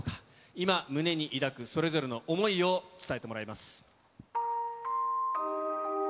今、胸に抱くそれぞれの想いを伝えてもらいます。